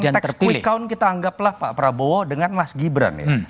teks quick count kita anggaplah pak prabowo dengan mas gibran ya